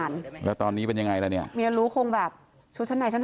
มีเอาไว้เสพไม่ได้มีเอาไว้กลับมาหลงรักและครองรักกันไปนาน